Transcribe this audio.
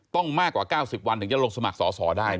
มากกว่า๙๐วันถึงจะลงสมัครสอสอได้